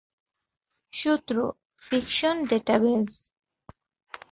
সূত্র: fiction database